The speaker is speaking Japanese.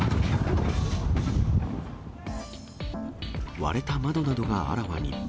割れた窓などがあらわに。